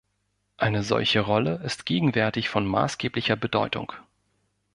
Eine solche Rolle ist gegenwärtig von maßgeblicher Bedeutung.